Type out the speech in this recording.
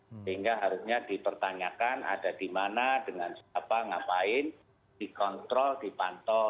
sehingga harusnya dipertanyakan ada di mana dengan siapa ngapain dikontrol dipantau